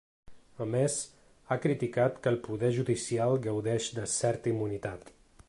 A més, ha criticat que el poder judicial gaudeix de certa immunitat.